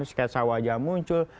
sketsa wajah muncul